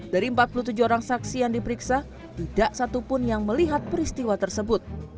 dari empat puluh tujuh orang saksi yang diperiksa tidak satupun yang melihat peristiwa tersebut